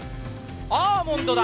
アーモンドだ